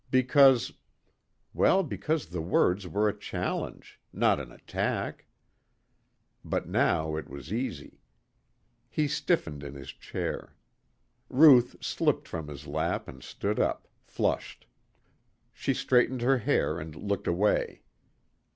Because well, because the words were a challenge, not an attack. But now it was easy. He stiffened in his chair. Ruth slipped from his lap and stood up, flushed. She straightened her hair and looked away.